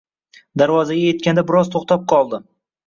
Darvozaga etganda biroz to`xtab qoldi va